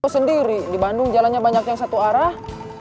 oh sendiri di bandung jalannya banyak yang satu arah